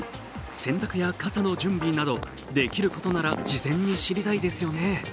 洗濯や傘の準備など、できることなら事前に知りたいですよね。